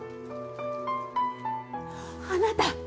あなた！